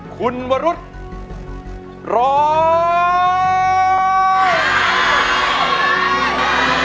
คุณวรุษร้อง